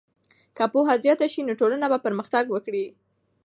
که پوهه زیاته سي نو ټولنه به پرمختګ وکړي.